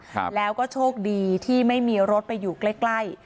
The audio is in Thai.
ครับแล้วก็โชคดีที่ไม่มีรถไปอยู่ใกล้ใกล้